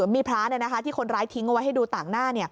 มีพระที่คนร้ายทิ้งเอาไว้ให้ดูต่างหน้า